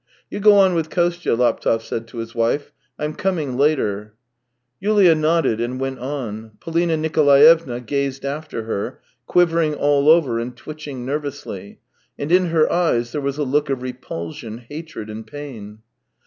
" You go on with Kostya," Laptev said to his wife. " I'm coming later." Yulia nodded and went on. Polina Niko laevna gazed after her, quivering all over and twitching nervously, and in her eyes there was a look of repulsion, hatred, and pain.